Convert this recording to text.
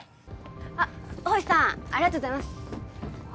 あっ星さんありがとうございます。